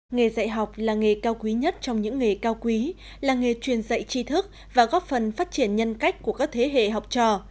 nghề dạy học là nghề cao quý nhất trong những nghề cao quý là nghề truyền dạy chi thức và góp phần phát triển nhân cách của các thế hệ học trò